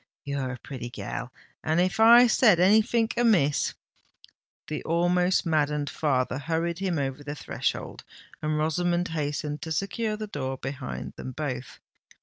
"You're a pretty gal—and if I said anythink amiss——" The almost maddened father hurried him over the threshold, and Rosamond hastened to secure the door behind them both.